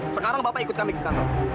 sekarang bapak ikut kami ke kantor